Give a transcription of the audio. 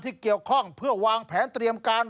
ที่เกี่ยวข้องเพื่อวางแผนเตรียมการ